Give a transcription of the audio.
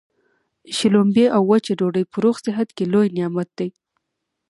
شلومبې او وچه ډوډۍ په روغ صحت کي لوی نعمت دی.